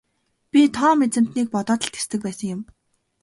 Би Том эзэнтнийг бодоод л тэсдэг байсан юм.